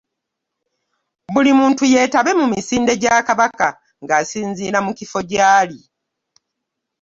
Buli muntu yetabe mu misinde gya Kabaka ng'asinziira mu kifo gy'ali.